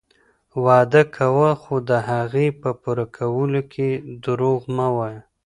وعده کوه خو د هغې په پوره کولو کي دروغ مه وایه.